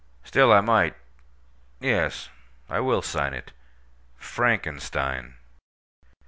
Still I might—yes, I will sign it "Frankenstein."